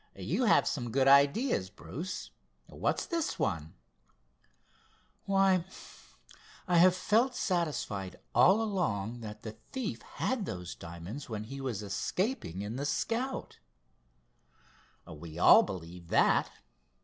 "You have some good ideas, Bruce—what's this one?" "Why, I have felt satisfied all along that the thief had those diamonds when he was escaping in the Scout." "We all believe that.